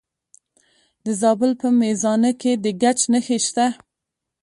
د زابل په میزانه کې د ګچ نښې شته.